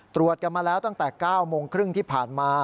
ตรวจกันมาแล้วตั้งแต่๙โมงครึ่งที่ผ่านมา